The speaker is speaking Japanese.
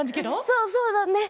そうそうだね！